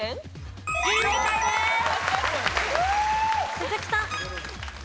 鈴木さん。